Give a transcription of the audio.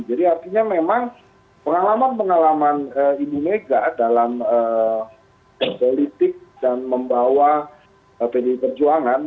jadi artinya memang pengalaman pengalaman ibu mega dalam politik dan membawa pdi perjuangan